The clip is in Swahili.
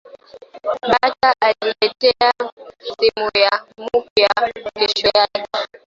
Bata nileteya simu ya mupya keshoyake